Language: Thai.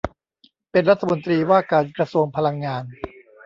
เป็นรัฐมนตรีว่าการกระทรวงพลังงาน